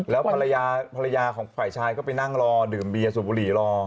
แล้วฝ่ายชายก็ไปนั่งรอดื่มเบียร์สูบบุหรี่รอ